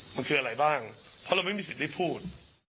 มันคืออะไรบ้างเพราะเราไม่มีสิทธิ์ได้พูด